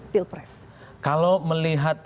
pilpres kalau melihat